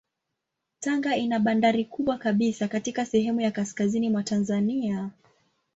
Tanga ina bandari kubwa kabisa katika sehemu ya kaskazini mwa Tanzania.